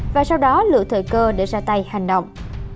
và sau đó lựa thời cơ để ra tay hành động